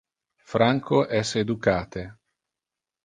Franco es educate.